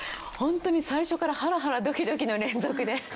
ホントに最初からハラハラドキドキの連続で。